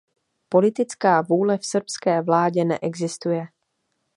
Politická vůle v srbské vládě existuje.